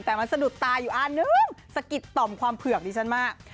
แต่มันสะดุดตาอยู่อันนึงสะกิดต่อมความเผือกดิฉันมาก